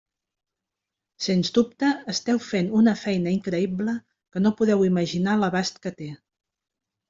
Sens dubte, esteu fent una feina increïble que no podeu imaginar l'abast que té.